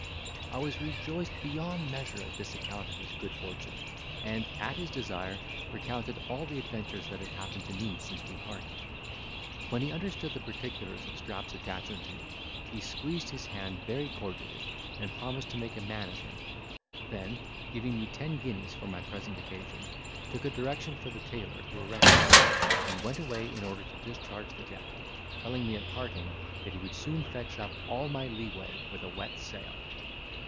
I was rejoiced beyond measure at this account of his good fortune; and, at his desire, recounted all the adventures that had happened to me since we parted. When he understood the particulars of Strap's attachment to me, he squeezed his hand very cordially, and promised to make a man of him; then, giving me ten guineas for my present occasion, took a direction for the tailor who arrested me, and went away in order to discharge the debt, telling me at parting, that he would soon fetch up all my leeway with a wet sail.